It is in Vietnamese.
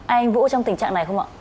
anh vũ trong tình trạng này không ạ